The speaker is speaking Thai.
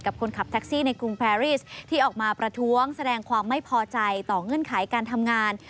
คนขับแท็กซี่ในกรุงแพรรีสที่ออกมาประท้วงแสดงความไม่พอใจต่อเงื่อนไขการทำงาน